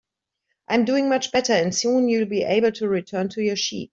I'm doing much better, and soon you'll be able to return to your sheep.